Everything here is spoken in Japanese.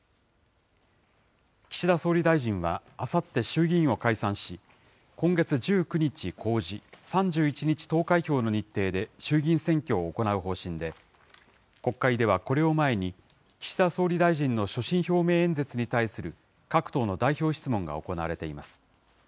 岸田総理大臣はあさって衆議院を解散し、今月１９日公示、３１日投開票の日程で衆議院選挙を行う方針で、国会ではこれを前に、岸田総理大臣の所信表明演説に対する各党の代表質問が行われています。